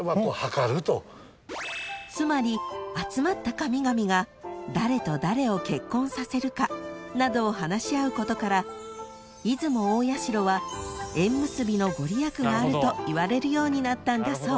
［つまり集まった神々が誰と誰を結婚させるかなどを話し合うことから出雲大社は縁結びの御利益があるといわれるようになったんだそう］